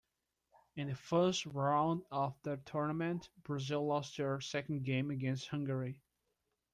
In the first round of the tournament, Brazil lost their second game against Hungary.